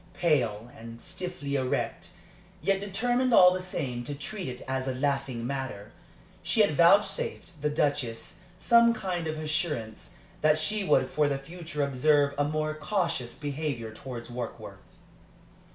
Pale, and stiffly erect, yet determined all the same to treat it as a laughing matter, she had vouchsafed the Duchess some kind of assurance that she would for the future observe a more cautious behavior towards Warkworth.